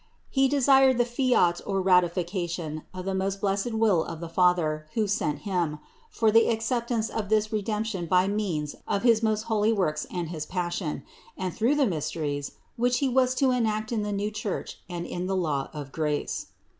He desired the fiat or ratification of the most blessed will of the Father, who sent Him, for the acceptance of this Redemption by means of his most holy works and his passion, and through the mysteries, which He was to enact in the new Church and in the law of grace.